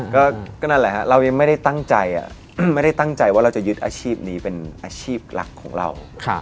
ก็นั่นแหละฮะเรายังไม่ได้ตั้งใจไม่ได้ตั้งใจว่าเราจะยึดอาชีพนี้เป็นอาชีพหลักของเรา